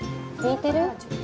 聞いてる？